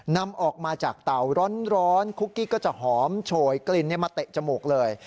นำออกมาจากเต่าร้อนคุกกี้ก็จะหอมโชยกลิ่นมาเตะจมูกเลย